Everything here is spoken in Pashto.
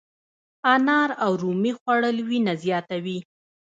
انار او رومي خوړل وینه زیاتوي.